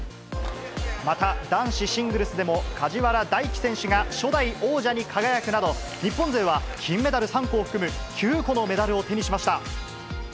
また、男子シングルスでも梶原大暉選手が、初代王者に輝くなど、日本勢は金メダル３個を含む、９個のメダルを手にしました。